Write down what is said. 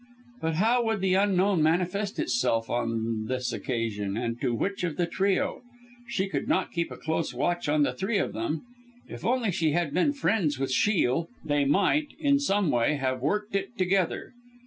But how would the Unknown manifest itself on this occasion and to which of the trio? She could not keep a close watch on the three of them. If only she had been friends with Shiel, they might, in some way, have worked it together.